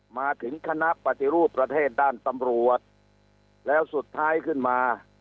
มาถึงคณะปฏิรูปประเทศด้านตำรวจแล้วสุดท้ายขึ้นมา